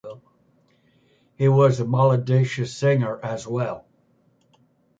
He was a melodious singer as well.